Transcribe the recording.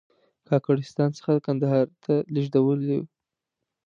کاکړستان څخه کندهار ته لېږدېدلی و.